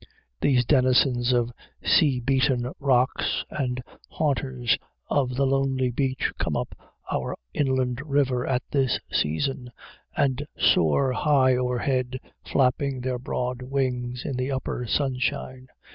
These denizens of sea beaten rocks and haunters of the lonely beach come up our inland river at this season, and soar high overhead, flapping their broad wings in the upper sunshine.